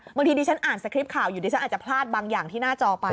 บางทีดิฉันอ่านสคริปต์ข่าวอยู่ดิฉันอาจจะพลาดบางอย่างที่หน้าจอไป